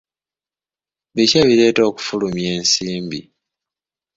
Biki ebireeta n'okufulumya ensimbi?